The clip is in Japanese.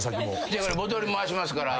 ボトル回しますから。